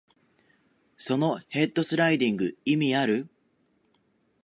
そのヘッドスライディング、意味ある？